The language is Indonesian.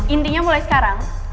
intinya mulai sekarang